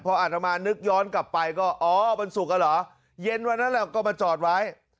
ก็อาจารย์มานึกย้อนกลับไปก็อ๋อมันสุกแล้วเหรอเย็นวันนั้นแล้วก็มาจอดไว้